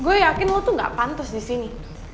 gue yakin lo tuh gak pantas disini